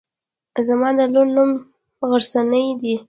زما د لور نوم غرڅنۍ دی.